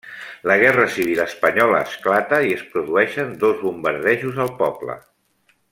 La Guerra Civil Espanyola esclata i es produeixen dos bombardejos al poble.